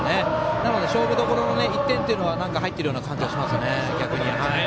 なので、勝負どころの１点は入っている感じがしますね。